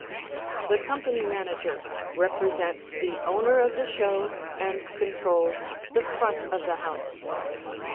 The Company Manager represents the owner of the show and controls the "front of the house."